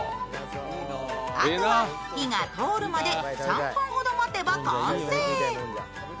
あとは火が通るまで３分ほど待てば完成。